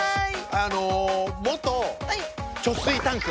あの元貯水タンク。